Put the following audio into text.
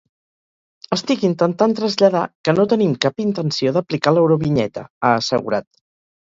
Estic intentant traslladar que no tenim cap intenció d’aplicar l’eurovinyeta, ha assegurat.